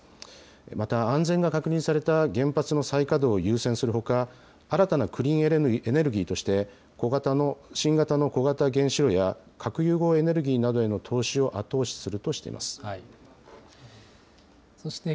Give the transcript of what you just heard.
また、安全が確認された原発の再稼働を優先するほか、新たなクリーンエネルギーとして、新型の小型原子炉や、核融合エネルギーなどへの投資を後押しするとしています。